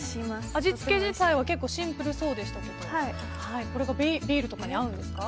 味付け自体は結構シンプルそうでしたけどこれがビールとかに合うんですか？